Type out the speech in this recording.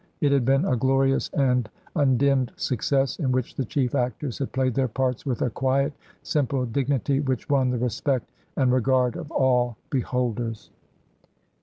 It had been a glorious and undimmed success, in which the chief actors liad played their parts with a quiet, sin; pie dignity, which won the respect and regard of all beholders.